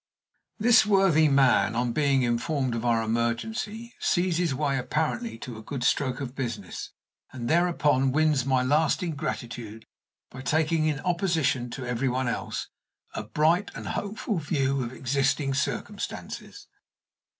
This worthy man, on being informed of our emergency, sees his way, apparently, to a good stroke of business, and thereupon wins my lasting gratitude by taking, in opposition to every one else, a bright and hopeful view of existing circumstances.